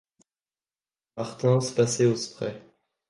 Martens passées au spray.